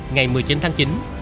ngày một mươi chín tháng chín